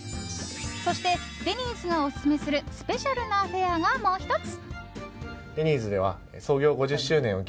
そして、デニーズがオススメするスペシャルなフェアがもう１つ。